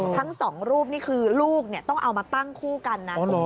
ทั้งสองรูปนี่คือลูกต้องเอามาตั้งคู่กันนะ